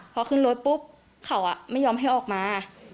พอขึ้นรถปุ๊บเขาไม่ยอมให้ออกมา